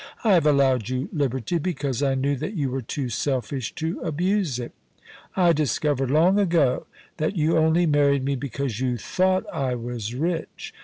I have allowed you liberty because I knew that you were too selfish to abuse it I discovered long ago that you only married me because you thought I was rich.